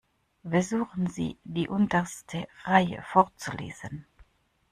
Versuchen Sie, die unterste Reihe vorzulesen.